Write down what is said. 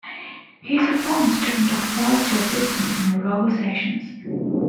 He is a former student of Walter Piston and Roger Sessions.